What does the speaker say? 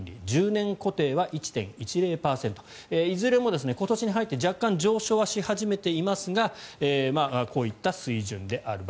１０年固定は１．１０％いずれも今年に入って若干上昇は、し始めていますがこういった水準である。